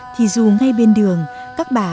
thì dù ngay bên đường nhưng vẫn có thể gặp nhau